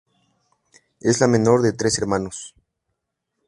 Es la menor de tres hermanos.